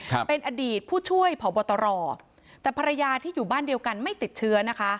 ครับเป็นอดีตผู้ช่วยผอบตรแต่ภรรยาที่อยู่บ้านเดียวกันไม่ติดเชื้อนะคะ